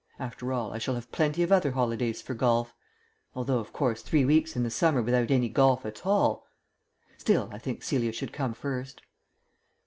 After all, I shall have plenty of other holidays for golf ... although, of course, three weeks in the summer without any golf at all Still, I think Celia should come first.